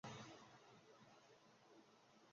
সাবাশ, মা!